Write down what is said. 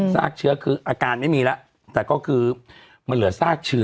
ซากเชื้อคืออาการไม่มีแล้วแต่ก็คือมันเหลือซากเชื้อ